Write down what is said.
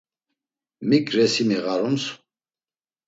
Mik resimi ğarums?